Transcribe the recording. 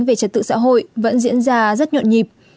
về trật tự xã hội vẫn diễn ra rất nhộn nhịp